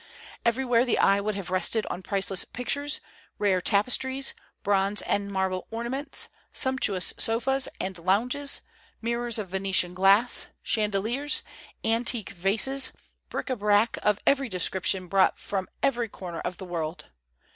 Everywhere the eye would have rested on priceless pictures, rare tapestries, bronze and marble ornaments, sumptuous sofas and lounges, mirrors of Venetian glass, chandeliers, antique vases, bric à brac of every description brought from every corner of the world.